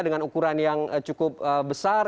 dengan ukuran yang cukup besar